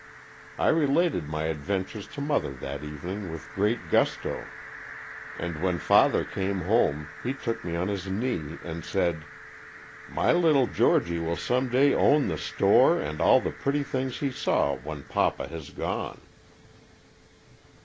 I re lated my adventures to mother that evening with great gusto and when 21 Stories from the Adirondack^. father came home, he took me on his knee and said: 'My little Georgie will some day own the store and all the pretty things he saw when papa has gone.